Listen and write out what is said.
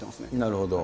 なるほど。